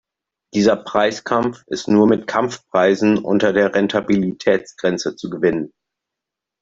Dieser Preiskampf ist nur mit Kampfpreisen unter der Rentabilitätsgrenze zu gewinnen.